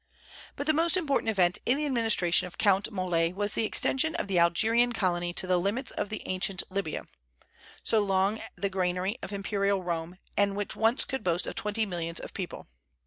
But the most important event in the administration of Count Molé was the extension of the Algerian colony to the limits of the ancient Libya, so long the granary of imperial Rome, and which once could boast of twenty millions of people.